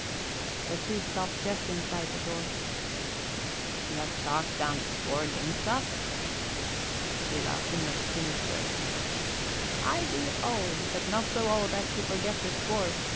The two stopped just inside the door. "You have chalked down the score against us?" She laughed in her skinny throat. "I be old, but not so old as to forget the score.